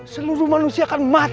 seluruh manusia akan mati